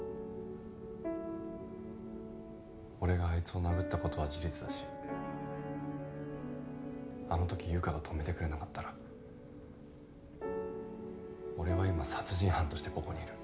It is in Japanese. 俺があいつを殴った事は事実だしあの時優香が止めてくれなかったら俺は今殺人犯としてここにいる。